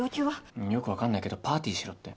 うんよくわかんないけどパーティーしろって。